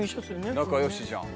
「仲良しじゃん」